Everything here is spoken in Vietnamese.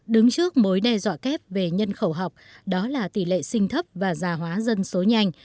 đứng trước mối đe dọa kép về nhân khẩu học đó là tỷ lệ sinh thấp và già hóa dân số nhanh